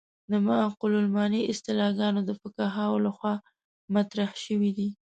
د معقولة المعنی اصطلاحګانې د فقهاوو له خوا مطرح شوې دي.